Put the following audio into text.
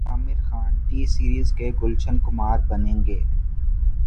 عامر خان ٹی سیریز کے گلشن کمار بنیں گے